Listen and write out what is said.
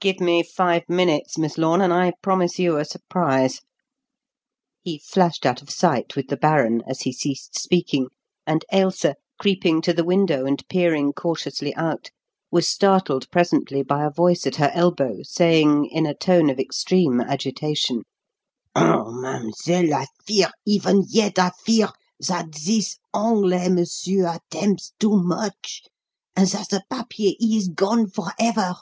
Give me five minutes, Miss Lorne, and I promise you a surprise." He flashed out of sight with the baron as he ceased speaking; and Ailsa, creeping to the window and peering cautiously out, was startled presently by a voice at her elbow saying, in a tone of extreme agitation: "Oh, mademoiselle, I fear, even yet I fear, that this Anglais monsieur attempts too much, and that the papier he is gone for ever."